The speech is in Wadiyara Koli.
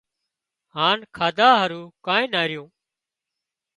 هانَ کاڌا هارو ڪانئين نا ريون